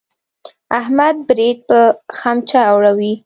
احمد برېت په خمچه اړوي.